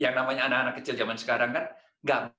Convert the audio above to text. yang namanya anak anak kecil zaman sekarang kan